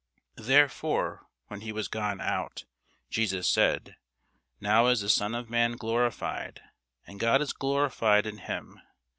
Therefore, when he was gone out, Jesus said, Now is the Son of man glorified, and God is glorified in him.